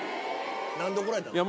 何で怒られたんですか？